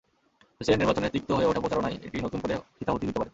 President নির্বাচনের তিক্ত হয়ে ওঠা প্রচারণায় এটি নতুন করে ঘৃতাহুতি দিতে পারে।